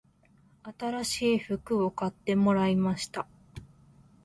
新しい服を買ってもらいました